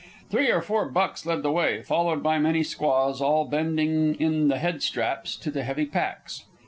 Three or four bucks led the way, followed by many squaws, all bending in the head straps to the heavy packs.